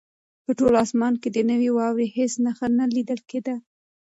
په ټول اسمان کې د نوې واورې هېڅ نښه نه لیدل کېده.